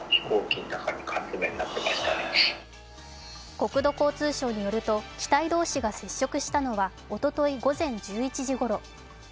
国土交通省によると機体同士が接触したのはおととい午前１１時ごろ。